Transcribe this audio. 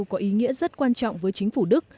có ý nghĩa rất quan trọng với chính phủ đức